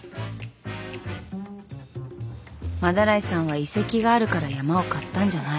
斑井さんは遺跡があるから山を買ったんじゃない。